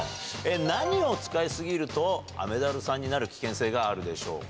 何を使い過ぎると、雨ダルさんになる危険性があるでしょうか。